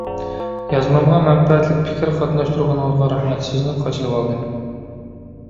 يازمامغا مەنپەئەتلىك پىكىر قاتناشتۇرغىنىڭىزغا رەھمەت، سىزنى قاچىلىۋالدىم.